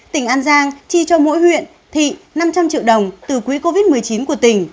tỉnh an giang chi cho mỗi huyện thị năm trăm linh triệu đồng từ quỹ covid một mươi chín của tỉnh